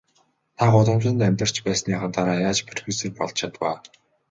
Та гудамжинд амьдарч байсныхаа дараа яаж профессор болж чадав аа?